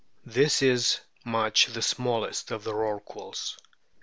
This is much the smallest of the Rorquals.